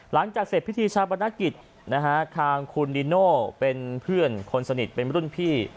หลังจากเสร็จพิธีชาปนกิจนะฮะทางคุณดิโน่เป็นเพื่อนคนสนิทเป็นรุ่นพี่